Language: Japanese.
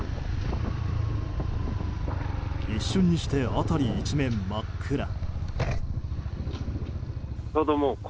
一瞬にして辺り一面、真っ暗。